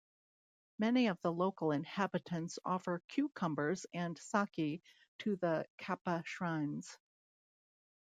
Many of the local inhabitants offer cucumbers and sake to the kappa shrines.